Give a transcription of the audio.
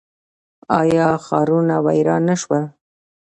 آیا ښارونه ویران نه شول؟